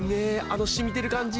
あのしみてる感じ！